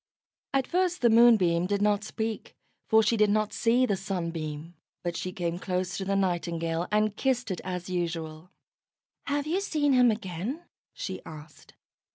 At first the Moonbeam did not speak, for she did not see the Sunbeam, but she came close to the Nightingale, and kissed it as usual. "Have you seen him again?" she asked.